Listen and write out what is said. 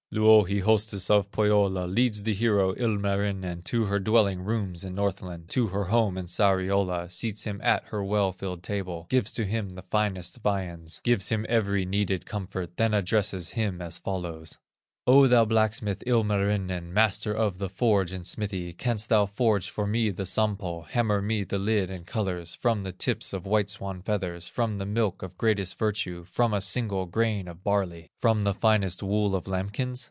Louhi, hostess of Pohyola, Leads the hero, Ilmarinen, To her dwelling rooms in Northland, To her home in Sariola, Seats him at her well filled table, Gives to him the finest viands, Gives him every needed comfort, Then addresses him as follows: "O thou blacksmith, Ilmarinen, Master of the forge and smithy, Canst thou forge for me the Sampo, Hammer me the lid in colors, From the tips of white swan feathers, From the milk of greatest virtue, From a single grain of barley, From the finest wool of lambkins?